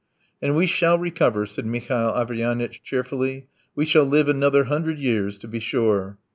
"And we shall recover," said Mihail Averyanitch cheerfully. "We shall live another hundred years! To be sure!"